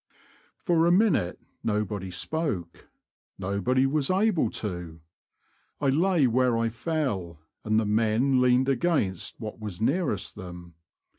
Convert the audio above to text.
For a minute nobody spoke — nobody was able to. I lay where I fell, and the men leaned against what was nearest them.